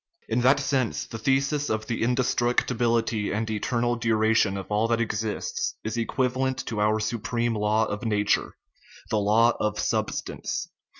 In that sense the thesis of the indestruc tibility and eternal duration of all that exists is equiva lent to our supreme law of nature, the law of substance (see chap.